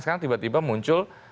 sekarang tiba tiba muncul